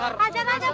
hajar aja pak